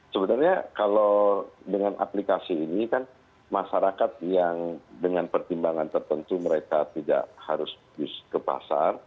sebenarnya kalau dengan aplikasi ini kan masyarakat yang dengan pertimbangan tertentu mereka tidak harus ke pasar